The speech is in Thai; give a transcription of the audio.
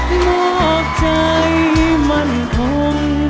หวังใจมันท้อง